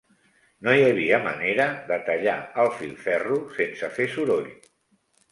No hi havia manera de tallar el filferro sense fer soroll